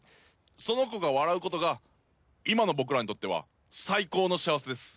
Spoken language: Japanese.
「その子が笑う事が今の僕らにとっては最高の幸せです」